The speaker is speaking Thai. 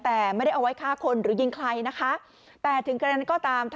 แต่ไม่ได้เอาไว้ฆ่าคนหรือยิงใครนะคะแต่ถึงกระนั้นก็ตาม